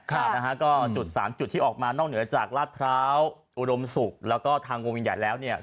ค่ะนะฮะก็จุดสามจุดที่ออกมานอกเหนือจากลาดพร้าวอุดมศุกร์แล้วก็ทางวงวินใหญ่แล้วเนี่ย